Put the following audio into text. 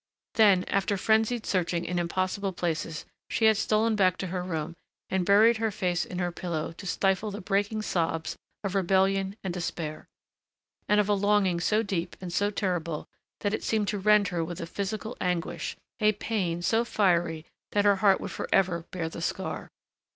Then, after frenzied searching in impossible places she had stolen back to her room and buried her face in her pillow to stifle the breaking sobs of rebellion and despair and of a longing so deep and so terrible that it seemed to rend her with a physical anguish, a pain so fiery that her heart would forever bear the scar.